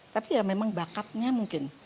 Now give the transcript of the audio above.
tapi ya memang bakatnya mungkin